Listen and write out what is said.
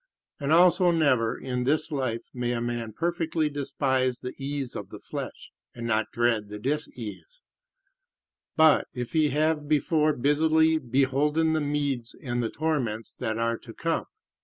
And also never in this life may a man perfectly despise the ease of the flesh, and not dread the disease, but if he have before busily beholden the meeds and the torments that are to come.